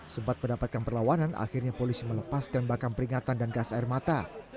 sempat mendapatkan perlawanan akhirnya polisi melepaskan bakam peringatan dan gas air mata